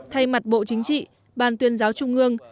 thay mặt bộ chính trị ban tuyên giáo trung ương